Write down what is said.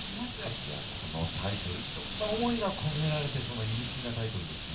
いやこのタイトルいろんな思いが込められてそうな意味深なタイトルですね。